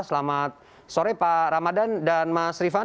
selamat sore pak ramadan dan mas rifan